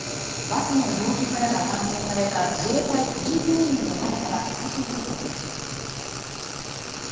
バスの乗客らが搬送された自衛隊富士病院の前から最新情報です。